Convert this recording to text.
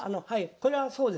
これはそうですね。